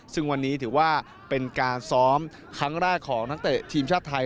ซึ่งวันนี้ถือว่าเป็นการซ้อมครั้งแรกของนักเตะทีมชาติไทย